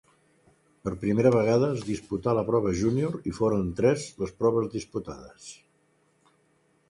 Per primera vegada es disputà la prova júnior i foren tres les proves disputades.